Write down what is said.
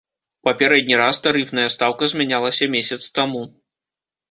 Папярэдні раз тарыфная стаўка змянялася месяц таму.